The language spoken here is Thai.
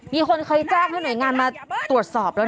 มีคนเคยแจ้งให้หน่วยงานมาตรวจสอบแล้ว